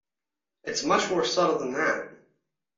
It's much more subtle than that.